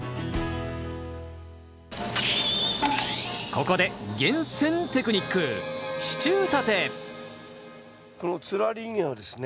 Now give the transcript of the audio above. ここで厳選テクニックこのつるありインゲンはですね